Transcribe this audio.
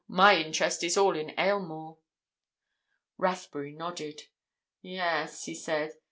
My interest is all in Aylmore." Rathbury nodded. "Yes," he said.